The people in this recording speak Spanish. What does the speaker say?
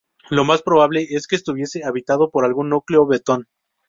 Lo más probable es que estuviese habitado por algún núcleo vetón.